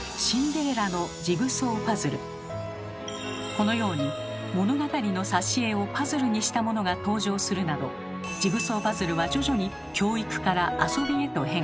このように物語の挿絵をパズルにしたものが登場するなどジグソーパズルは徐々に教育から遊びへと変化。